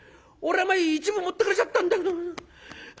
俺はお前１分持ってかれちゃったんだけど。